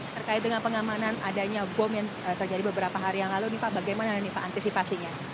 terkait dengan pengamanan adanya bom yang terjadi beberapa hari yang lalu nih pak bagaimana ini pak antisipasinya